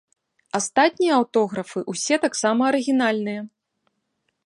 Астатнія аўтографы ўсе таксама арыгінальныя.